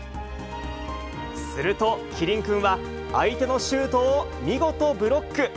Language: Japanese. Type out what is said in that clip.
するとキリンくんは、相手のシュートを見事ブロック。